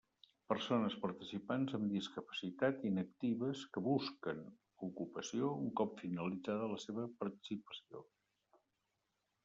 Persones participants amb discapacitat inactives que busquen ocupació un cop finalitzada la seva participació.